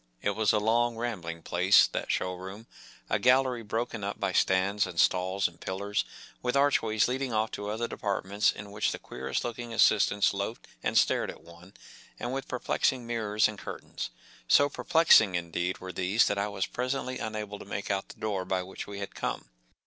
It was a long, rambling place, that show¬ room, a gallery broken up by stands and stalls and pillars, with archways leading off to other departments, in which the queerest looking assistants loafed and stared at one, and with perplexing mirrors and curtains. So per Diqitized byGoOQle v ' o plexing, indeed, were these that I was presently unable to make out the door by which we had come.